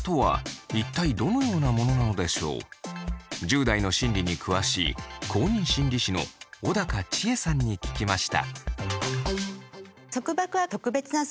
１０代の心理に詳しい公認心理師の小高千枝さんに聞きました。